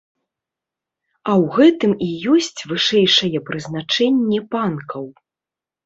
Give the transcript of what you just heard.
А ў гэтым і ёсць вышэйшае прызначэнне панкаў!